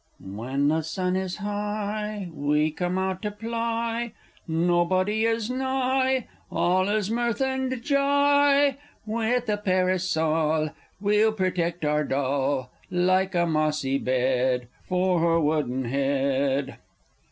_ When the sun is high, We come out to ply, Nobody is nigh, All is mirth and j'y! With a pairosol, We'll protect our doll, Make a mossy bed For her wooden head!